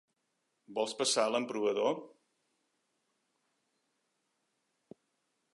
Vol passar a l'emprovador?